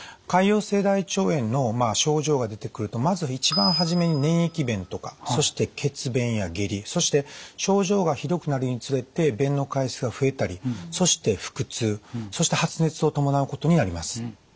潰瘍性大腸炎の症状が出てくるとまず一番初めに粘液便とかそして血便や下痢そして症状がひどくなるにつれて便の回数が増えたりそして腹痛そして発熱を伴うことになります。